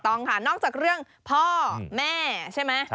ต้องค่ะนอกจากเรื่องพ่อแม่ใช่ไหม